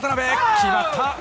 決まった。